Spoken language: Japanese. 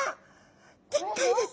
でっかいです。